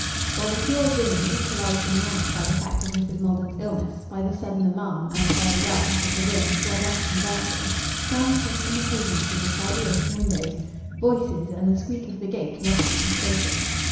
While the two old women, equalized in rank by the fact of Mrs. Maldon's illness, by the sudden alarm, and by the darkness of the room, were thus conversing, sounds came from the pavement through the slightly open windows voices, and the squeak of the gate roughly pushed open.